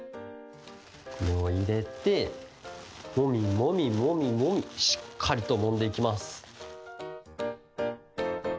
これをいれてもみもみもみもみしっかりともんでいきます。